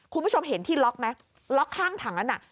คุณผู้ชมเห็นที่ล็อกไหมล็อกข้างถังนั้นน่ะ